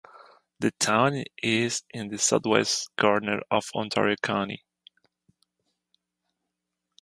The town is in the southwest corner of Ontario County.